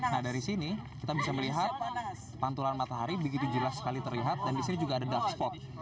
nah dari sini kita bisa melihat pantulan matahari begitu jelas sekali terlihat dan di sini juga ada dark spot